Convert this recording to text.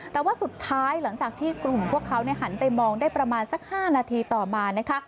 แต่ว่าสุดท้ายหลังจากที่กลุ่มพวกเขาหันไปมองได้ประมาณสัก๕นาทีต่อมานะคะ